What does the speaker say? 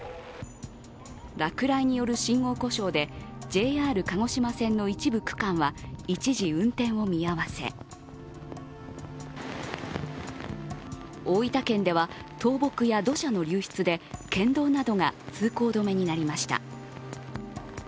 落雷による信号故障で、ＪＲ鹿児島線の一部区間は一時運転を見合わせ、大分県では倒木や土砂の流出で県道などが通行止めになりました。